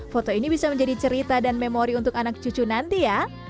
foto ini bisa menjadi cerita dan memori untuk anak cucu nanti ya